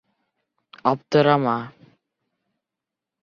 Аптырама.